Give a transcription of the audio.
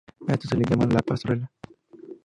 A esto le llaman "la pastorela".